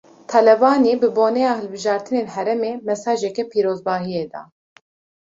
Talebanî bi boneya hilbijartinên herêmê, mesajeke pîrozbahiyê da